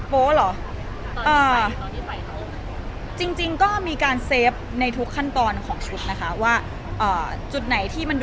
โป๊บว่ามันโป๊บไปไหม